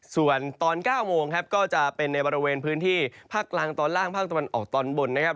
ส่วนตอน๙โมงครับก็จะเป็นในบริเวณพื้นที่ภาคกลางตอนล่างภาคตะวันออกตอนบนนะครับ